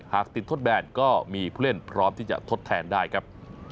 หากติดทดแบนก็มีผู้เล่นพร้อมที่จะทดแทนได้ครับ